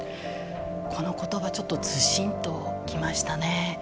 この言葉ちょっとズシンと来ましたね。